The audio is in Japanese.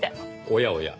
おやおや。